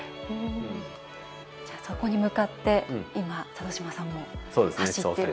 そこに向かって今、佐渡島さんも走ってる？